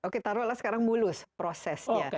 oke taruhlah sekarang mulus prosesnya